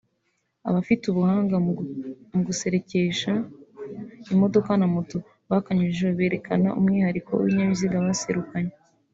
Abafite ubuhanga mu guserebekesha imodoka na moto bakanyujijeho berekana umwihariko w’ibinyabiziga baserukanye